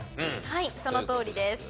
はいそのとおりです。